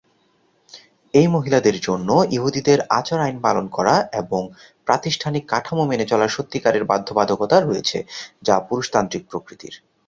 এই মহিলাদের জন্য, ইহুদিদের আচার আইন পালন করা এবং প্রাতিষ্ঠানিক কাঠামো মেনে চলার সত্যিকারের বাধ্যবাধকতা রয়েছে যা পুরুষতান্ত্রিক প্রকৃতির।